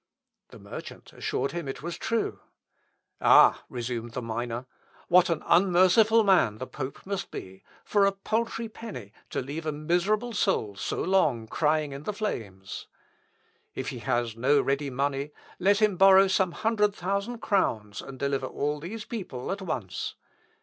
The merchant assured him it was true. "Ah!" resumed the miner, "what an unmerciful man the pope must be, for a paltry penny to leave a miserable soul so long crying in the flames. If he has no ready money, let him borrow some hundred thousand crowns, and deliver all these people at once.